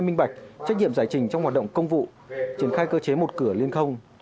minh bạch trách nhiệm giải trình trong hoạt động công vụ triển khai cơ chế một cửa liên thông